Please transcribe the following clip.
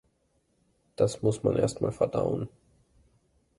Das muss man erst mal verdauen.